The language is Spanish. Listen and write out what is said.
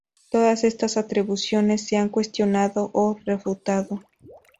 Todas estas atribuciones se han cuestionado o refutado.